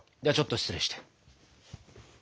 ではちょっと失礼して。